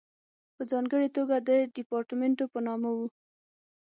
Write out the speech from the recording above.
په ځانګړې توګه د ریپارټیمنټو په نامه وو.